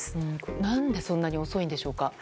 何でそんなに遅いんでしょうか？